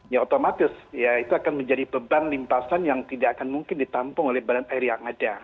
ya otomatis ya itu akan menjadi beban limpasan yang tidak akan mungkin ditampung oleh badan air yang ada